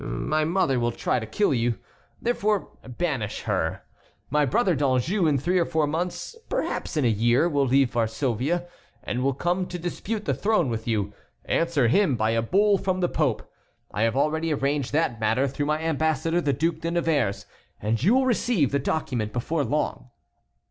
My mother will try to kill you, therefore banish her. My brother D'Anjou in three or four months, perhaps in a year, will leave Varsovia and will come to dispute the throne with you. Answer him by a bull from the pope. I have already arranged that matter through my ambassador, the Duc de Nevers, and you will receive the document before long."